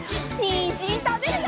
にんじんたべるよ！